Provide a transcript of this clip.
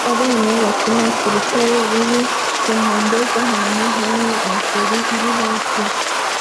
Abana bakina ku rutare ruri ku nkombe z'ahantu hamwe na feri iri hafi